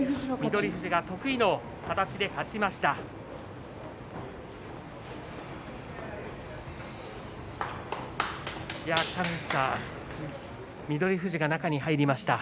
翠富士、得意の形で勝ちました。